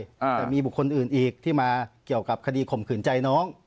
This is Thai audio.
แต่มีบุคคลอื่นอีกที่มาเกี่ยวกับคดีข่มขืนใจน้อง